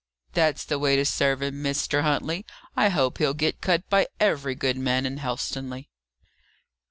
"That's the way to serve him, Mr. Huntley! I hope he'll get cut by every good man in Helstonleigh."